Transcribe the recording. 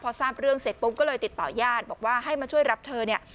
พอทราบเรื่องเสร็จปุ๊บก็เลยติดต่อยาดบอกว่าให้มาช่วยรับเธอเนี่ย